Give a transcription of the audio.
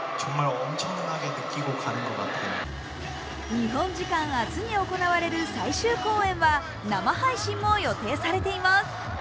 日本時間明日に行われる最終公演は生配信も予定されています。